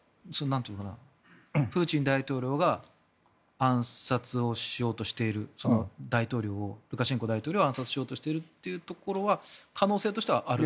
プーチン大統領が暗殺をしようとしているルカシェンコ大統領を暗殺しようとしているというところは可能性としてはある？